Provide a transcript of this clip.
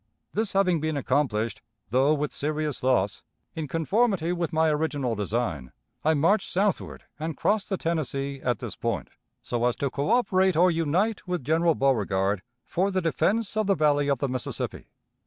This having been accomplished, though with serious loss, in conformity with my original design, I marched southward and crossed the Tennessee at this point, so as to coöperate or unite with General Beauregard for the defense of the valley of the Mississippi.